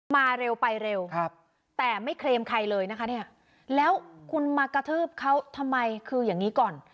เร็วไปเร็วแต่ไม่เคลมใครเลยนะคะเนี่ยแล้วคุณมากระทืบเขาทำไมคืออย่างนี้ก่อน